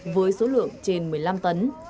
với số lượng trên một mươi năm tấn